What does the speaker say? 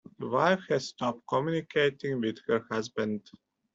The wife had stopped communicating with her husband